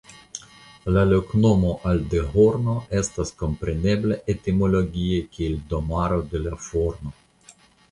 La loknomo "Aldehorno" estas komprenebla etimologie kiel Domaro de la Forno.